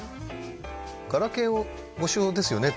「ガラケーをご使用ですよね？」